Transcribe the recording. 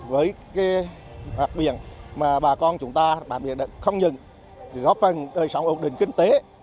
với mặt biển mà bà con chúng ta bám biển không những góp phần đời sống ổn định kinh tế